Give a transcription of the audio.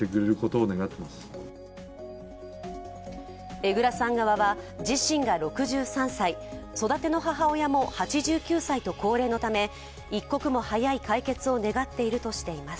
江藏さん側は自身が６３歳育ての母親も８９歳と高齢のため一刻も早い解決を願っているとしています。